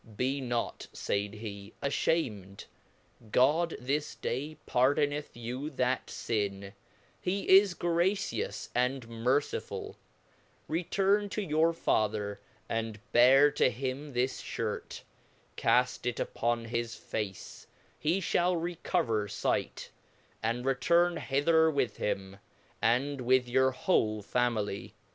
Be not (faid he} afhamed, God this day pardon eth yoa that fin , he is gracious and merciful ; return to your Father, and bear to him this fhirt, caft it upon his fice, he (lull ' recover fight , and return hither with him, and with your whole family.